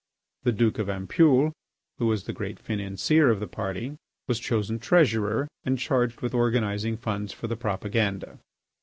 The Duke of Ampoule, who was the great financier of the party, was chosen treasurer and charged with organising funds for the propaganda.